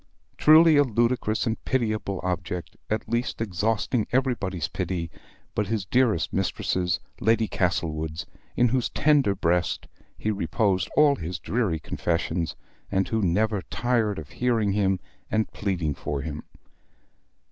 Truly a ludicrous and pitiable object, at least exhausting everybody's pity but his dearest mistress's, Lady Castlewood's, in whose tender breast he reposed all his dreary confessions, and who never tired of hearing him and pleading for him.